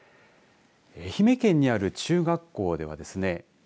愛媛県にある中学校ではですね。